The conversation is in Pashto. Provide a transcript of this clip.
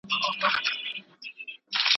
په باغ کې رنګارنګ ګلان غوړېدلي دي.